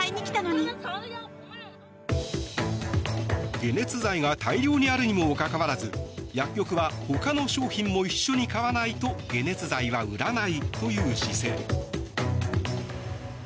解熱剤が大量にあるにもかかわらず薬局はほかの商品も一緒に買わないと解熱剤は売らないという姿勢。